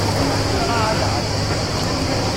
他也這樣。